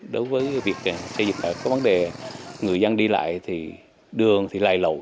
đối với việc xây dựng cầu có vấn đề người dân đi lại thì đường thì lầy lội